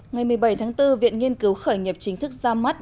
ngày một mươi bảy tháng bốn viện nghiên cứu khởi nghiệp chính thức ra mắt